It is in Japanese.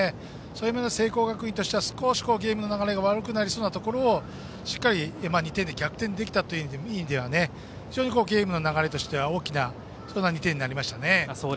そういう面では聖光学院としては少しゲームの流れが悪くなりそうなところをしっかり２点で逆転できたという意味では非常にゲームの流れとしては大きな２点になりましたね。